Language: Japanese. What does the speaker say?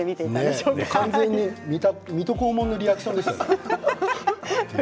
完全に水戸黄門のリアクションでしたよ。